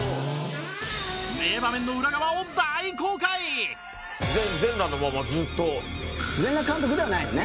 名場面の裏側を大公開全裸のまま、ずっと。